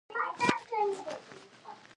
• د سهار هوا روح ته تازه والی ورکوي.